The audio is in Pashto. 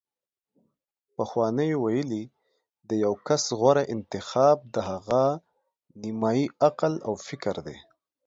پخوانیو ویلي: د یو کس غوره انتخاب د هغه نیمايي عقل او فکر دی